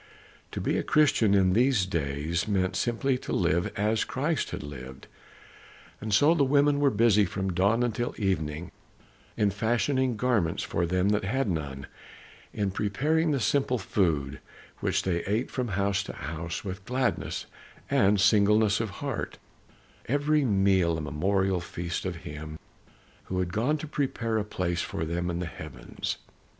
'" To be a Christian in these days meant simply to live as Christ had lived. And so the women were busy from dawn until evening in fashioning garments for them that had none; in preparing the simple food, which they ate from house to house with gladness and singleness of heart, every meal a memorial feast of him who had gone to prepare a place for them in the heavens.